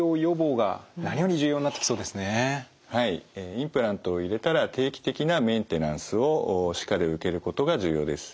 インプラントを入れたら定期的なメンテナンスをしっかり受けることが重要です。